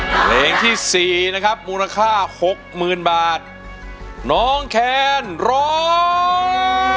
เพลงที่สี่นะครับมูลค่าหกหมื่นบาทน้องแคนร้อง